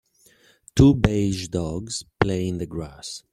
Two beige dogs play in the grass.